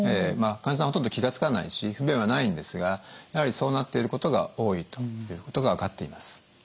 まあ患者さんはほとんど気が付かないし不便はないんですがやはりそうなっていることが多いということが分かっています。